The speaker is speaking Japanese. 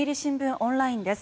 オンラインです。